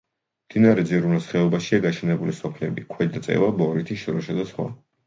მდინარე ძირულის ხეობაშია გაშენებული სოფლები: ქვედა წევა, ბორითი, შროშა და სხვა.